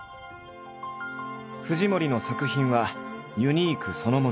藤森の作品はユニークそのもの。